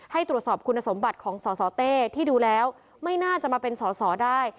ให้ตรวจสอบคุณสมบัติของสสเต้ที่ดูแล้วไม่น่าจะมาเป็นสอสอได้